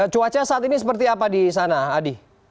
cuaca saat ini seperti apa di sana adi